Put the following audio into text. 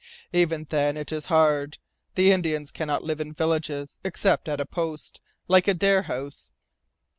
Even then it is hard. The Indians cannot live in villages, except at a post, like Adare House.